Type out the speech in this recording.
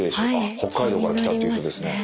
北海道から来たっていう人ですね。